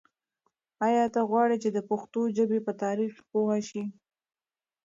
آیا ته غواړې چې د پښتو ژبې په تاریخ پوه شې؟